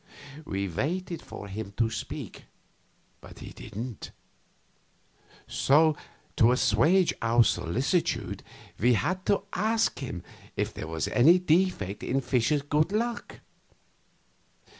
We waited for him to speak, but he didn't; so, to assuage our solicitude we had to ask him if there was any defect in Fischer's good luck.